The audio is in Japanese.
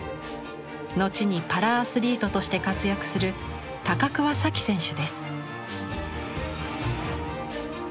後にパラアスリートとして活躍する高桑早生選手です。